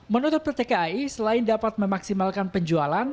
menurut pt kai selain dapat memaksimalkan penjualan